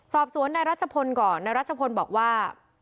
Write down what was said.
สอบสวนนายรัชพลก่อนนายรัชพลบอกว่า